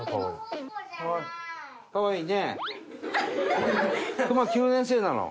かわいい。